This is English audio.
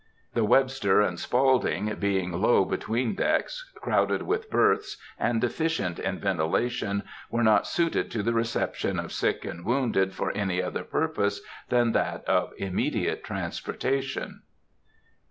The Webster and Spaulding, being low between decks, crowded with berths, and deficient in ventilation, were not suited to the reception of sick and wounded for any other purpose than that of immediate transportation.